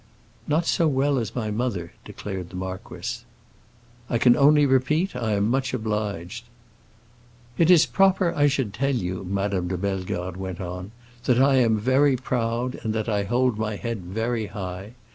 "Not so well as my mother," declared the marquis. "I can only repeat—I am much obliged." "It is proper I should tell you," Madame de Bellegarde went on, "that I am very proud, and that I hold my head very high.